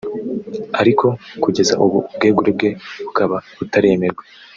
ariko kugeza ubu ubwegure bwe bukaba butaremerwa